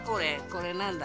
これなんだ？